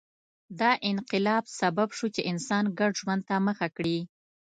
دا انقلاب سبب شو چې انسان ګډ ژوند ته مخه کړي